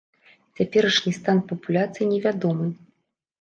Цяперашні стан папуляцый невядомы.